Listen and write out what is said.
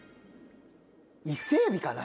伊勢海老かな。